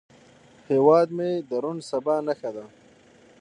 هیواد مې د روڼ سبا نښه ده